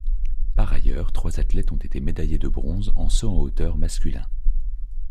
Par ailleurs, trois athlètes ont été médaillés de bronze en saut en hauteur masculin.